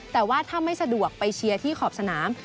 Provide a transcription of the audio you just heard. แต่ว่าถ้าไม่สะดวกไปเชียร์ที่ขอบสนาม